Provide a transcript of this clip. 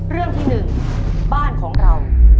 เรื่องที่หนึ่งบ้านของเรา